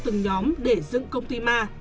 tuy nhiên trong hoạt động cho vay